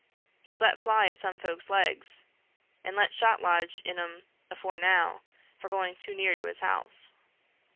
He's let fly at some folk's legs, and let shot lodge in 'em afore now, for going too near to his house."